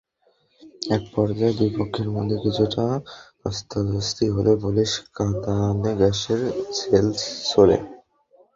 একপর্যায়ে দুই পক্ষের মধ্যে কিছুটা ধ্বস্তাধ্বস্তি হলে পুলিশ কাঁদানে গ্যাসের শেল ছোড়ে।